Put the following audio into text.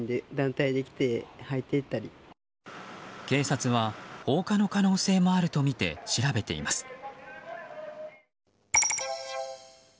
警察は放火の可能性もあるとみて調べています。